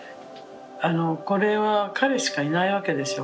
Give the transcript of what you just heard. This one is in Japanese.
これは彼しかいないわけでしょ。